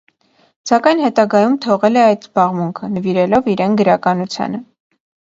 Սակայն հետագայում թողել է այդ զբաղմունքը՝ նվիրելով իրեն գրականությանը։